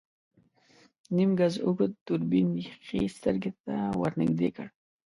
نيم ګز اوږد دوربين يې ښی سترګې ته ور نږدې کړ.